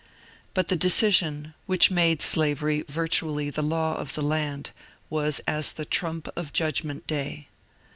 But the deci sion, which made slavery virtually the law of the land, was as the trump of Judgment Day.